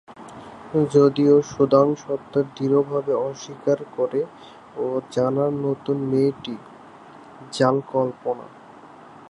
যদিও সুধাংশু দৃঢ়ভাবে অস্বীকার করে ও জানায় নতুন মেয়েটি জাল কল্পনা।